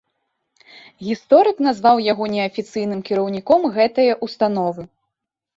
Гісторык назваў яго неафіцыйным кіраўніком гэтае ўстановы.